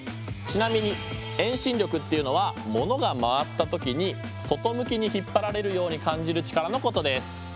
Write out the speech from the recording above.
ちなみに遠心力というのはものが回った時に外向きに引っ張られるように感じる力のことです。